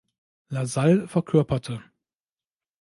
Lasalle" verkörperte.